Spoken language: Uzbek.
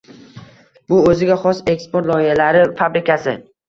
Bu o‘ziga xos «Eksport loyihalari fabrikasi»